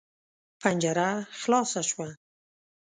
پنجره خلاصه شوه.